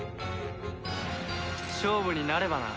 勝負になればな。